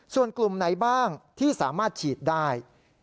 ส่วนกลุ่มไหนบ้างที่สามารถฉีดได้